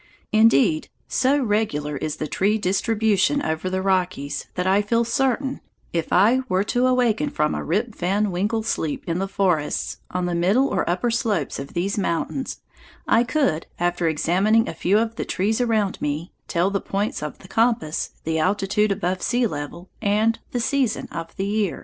Indeed, so regular is the tree distribution over the Rockies that I feel certain, if I were to awaken from a Rip Van Winkle sleep in the forests on the middle or upper slopes of these mountains, I could, after examining a few of the trees around me, tell the points of the compass, the altitude above sea level, and the season of the year.